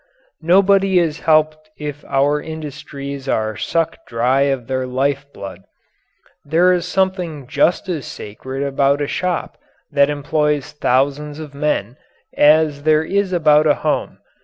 Nobody is helped if our industries are sucked dry of their life blood. There is something just as sacred about a shop that employs thousands of men as there is about a home.